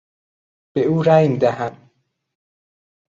به او رای میدهم.